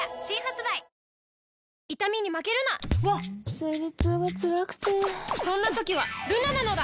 わっ生理痛がつらくてそんな時はルナなのだ！